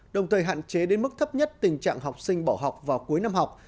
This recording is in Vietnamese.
đồng thời hạn chế đến mức thấp nhất tình trạng học sinh bỏ học vào cuối năm học